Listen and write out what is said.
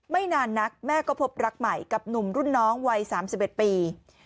ไม่นานนักแม่ก็พบรักใหม่กับหนุ่มรุ่นน้องวัย๓๑ปี